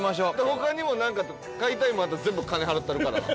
他にも何か買いたいもんあったら全部金払ったるから。